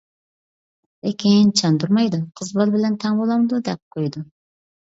لېكىن چاندۇرمايدۇ:-قىز بالا بىلەن تەڭ بولامدۇ دەپ قويىدۇ.